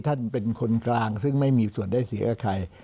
ท่านเป็นคนกลางซึ่งไม่มีส่วนได้เสียกับใคร